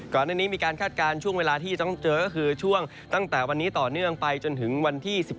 อันนี้มีการคาดการณ์ช่วงเวลาที่ต้องเจอก็คือช่วงตั้งแต่วันนี้ต่อเนื่องไปจนถึงวันที่๑๗